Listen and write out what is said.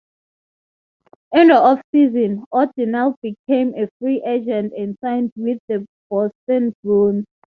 In the off-season, O'Donnell became a free agent and signed with the Boston Bruins.